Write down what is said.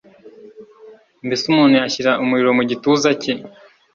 mbese umuntu yashyira umuriro mu gituza cye